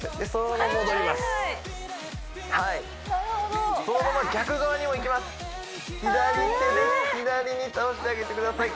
なるほど左手で左に倒してあげてください